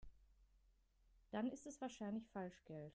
Dann ist es wahrscheinlich Falschgeld.